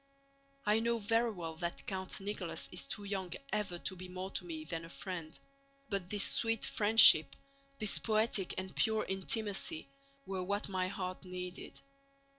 I know very well that Count Nicholas is too young ever to be more to me than a friend, but this sweet friendship, this poetic and pure intimacy, were what my heart needed.